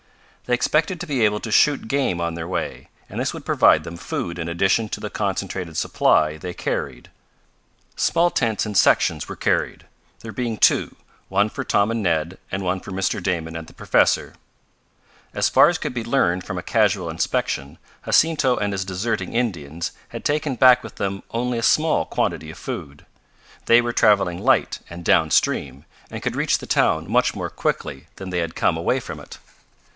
They expected to be able to shoot game on their way, and this would provide them food in addition to the concentrated supply they carried. Small tents, in sections, were carried, there being two, one for Tom and Ned and one for Mr. Damon and the professor. As far as could be learned from a casual inspection, Jacinto and his deserting Indians had taken back with them only a small quantity of food. They were traveling light and down stream, and could reach the town much more quickly than they had come away from it.